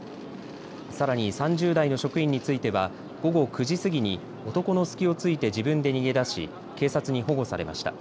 さらに、３０代の職員については午後９時過ぎに男の隙を突いて自分で逃げ出し警察に保護されました。